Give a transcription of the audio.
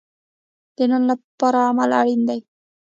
د نن لپاره عمل اړین دی